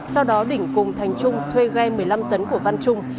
sau đó đỉnh cùng thành trung thuê ghe một mươi năm tấn của văn trung